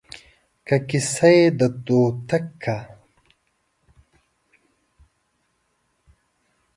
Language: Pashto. که کيسه يې د دوتک کا